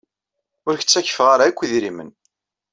Ur ak-ttakfeɣ ara akk idrimen.